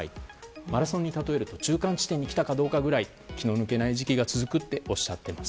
マラソンに例えると中間地点に来たかどうかぐらい気の抜けない時期が続くとおっしゃっています。